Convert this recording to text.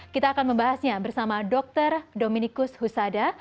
kita akan membahasnya bersama dr dominikus husada